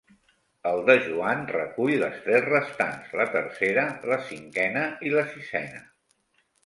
El de Joan recull les tres restants, la tercera, la cinquena i la sisena.